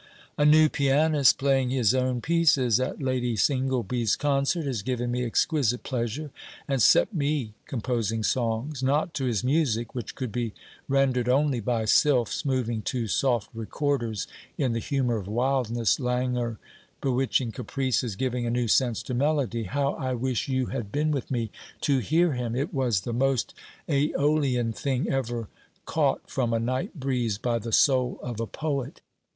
'A new pianist playing his own pieces (at Lady Singleby's concert) has given me exquisite pleasure' and set me composing songs not to his music, which could be rendered only by sylphs moving to "soft recorders" in the humour of wildness, languor, bewitching caprices, giving a new sense to melody. How I wish you had been with me to hear him! It was the most AEolian thing ever caught from a night breeze by the soul of a poet.